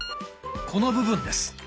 この部分です。